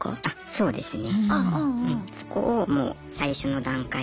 そうですね。